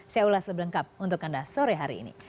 saya ulas lebih lengkap untuk anda sore hari ini